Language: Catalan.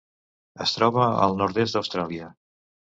Es troba al nord-est d'Austràlia.